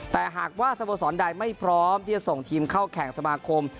แต่หากว่าสโมสรใดไม่พร้อมที่จะส่งทีมเข้าแข่งสมาคม